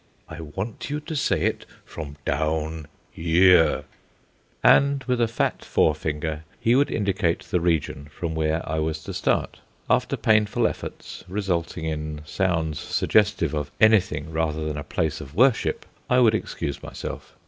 "I want you to say it from down here," and with a fat forefinger he would indicate the region from where I was to start. After painful efforts, resulting in sounds suggestive of anything rather than a place of worship, I would excuse myself.